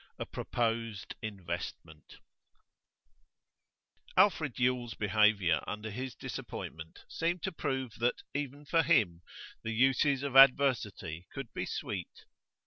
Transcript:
A PROPOSED INVESTMENT Alfred Yule's behaviour under his disappointment seemed to prove that even for him the uses of adversity could be sweet.